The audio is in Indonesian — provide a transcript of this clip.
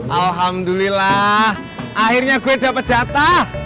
alhamdulillah akhirnya gue dapat jatah